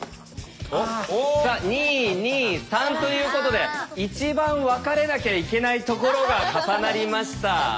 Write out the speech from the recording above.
さあ「２」「２」「３」ということで一番分かれなきゃいけないところが重なりました。